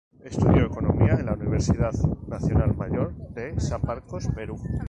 Estudió economía en la Universidad Nacional Mayor de San Marcos, Perú.